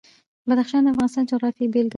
بدخشان د افغانستان د جغرافیې بېلګه ده.